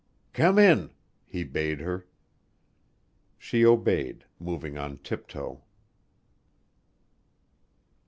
"Come in," he bade her. She obeyed, moving on tiptoe.